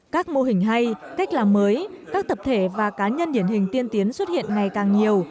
các mô hình hay cách làm mới các tập thể và cá nhân điển hình tiên tiến xuất hiện ngày càng nhiều